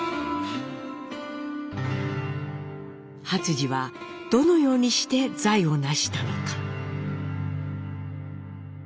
初次はどのようにして財をなしたのか。